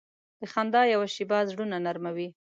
د خندا یوه شیبه زړونه نرمه وي.